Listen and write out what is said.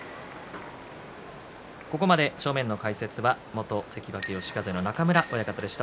ここまで正面の解説は元関脇嘉風の中村親方でした。